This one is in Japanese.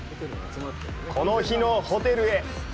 この日のホテルへ。